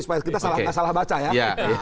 supaya kita nggak salah baca ya